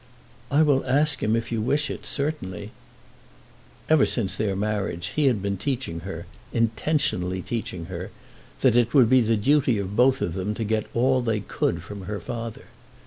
"I will ask him if you wish it, certainly." Ever since their marriage he had been teaching her, intentionally teaching her, that it would be the duty of both of them to get all they could from her father.